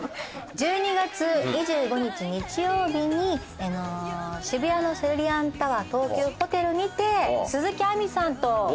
１２月２５日日曜日に渋谷のセルリアンタワー東急ホテルにて鈴木亜美さんとライブを行います。